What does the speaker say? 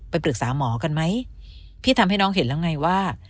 ปรึกษาหมอกันไหมพี่ทำให้น้องเห็นแล้วไงว่า